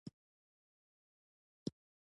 د سوکاله کورنیو ډېر اولادونه دولتي پوهنتونونو ته ځي.